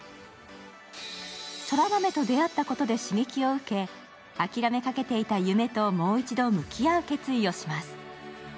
空豆と出会ったことで刺激を受け、諦めかけていた夢ともう一度向き合う決意をします。